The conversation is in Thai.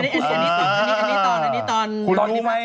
อันนี้ตอน